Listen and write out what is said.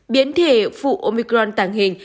biến thể phụ ômicron tàng hình